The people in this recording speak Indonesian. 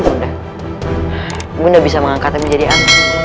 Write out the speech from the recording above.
ibu bisa mengangkatnya menjadi anak